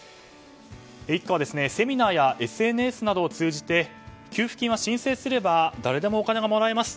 一家はセミナーやＳＮＳなどを通じて給付金は申請すれば誰でもお金がもらえます。